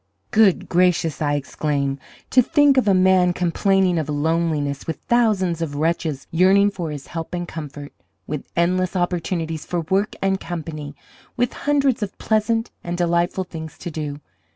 'Good gracious!' I exclaimed, 'to think of a man complaining of loneliness with thousands of wretches yearning for his help and comfort, with endless opportunities for work and company, with hundreds of pleasant and delightful things to do.